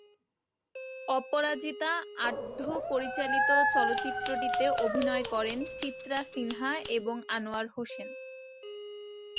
অপরাজিতা আঢ্য পরিচালিত চলচ্চিত্রটিতে অভিনয় করেন চিত্রা সিনহা এবং আনোয়ার হোসেন।